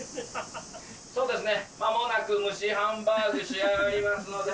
そうですね、まもなく蒸しハンバーグ仕上がりますので。